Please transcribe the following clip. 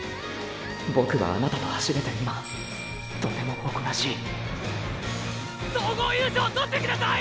ボクはあなたと走れて今とても誇らしい総合優勝とって下さい！